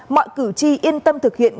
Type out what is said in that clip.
mọi cử tri yên tâm thực hiện